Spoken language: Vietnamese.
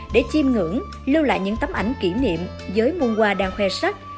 để chim ngưỡng lưu lại những tấm ảnh kỷ niệm giới muôn hoa đang khoe sắc